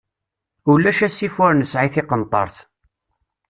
Ulac asif, ur nesɛi tiqenṭeṛt.